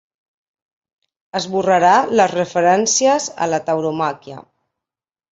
Esborrarà les referències a la tauromàquia.